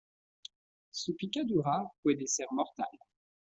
su picadura puede ser mortal.